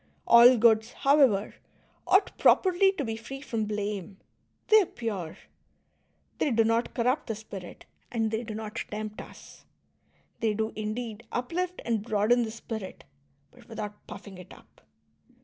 All goods, however, ought properly to be free from blame ; they are pure, they do not corrupt the spirit, and they do not tempt us. They do, indeed, uplift and broaden the spii it, but without puffing it up.